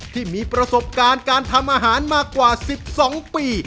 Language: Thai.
ที่มีประสบการณ์การทำอาหารมากว่า๑๒ปี